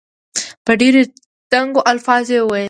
په ډېرو ټینګو الفاظو وویل.